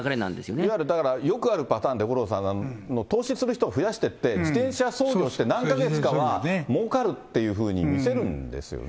いわゆるだから、よくあるパターンで、五郎さん、投資する人を増やしていって、自転車操業して、何か月かはもうかるっていうふうに見せるんですよね。